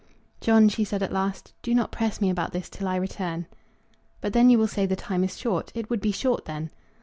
"John," she said at last, "do not press me about this till I return." "But then you will say the time is short. It would be short then."